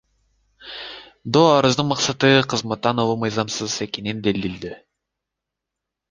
Доо арыздын максаты — кызматтан алуу мыйзамсыз экенин далилдөө.